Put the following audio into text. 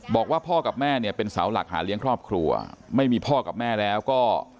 บอกว่าพ่อกับแม่เนี่ยเป็นเสาหลักหาเลี้ยงครอบครัวไม่มีพ่อกับแม่แล้วก็